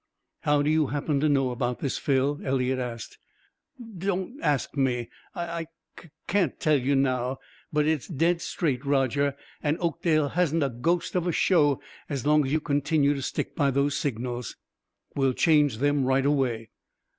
"How do you happen to know about this, Phil?" Eliot asked. "Don't ask me. I can't tut tell you now. But it's dead straight, Roger, and Oakdale hasn't a ghost of a show as long as you continue to stick by those signals." "We'll change them right away."